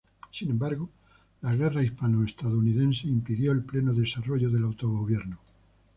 Sin embargo, la Guerra hispano-estadounidense impidió el pleno desarrollo del autogobierno.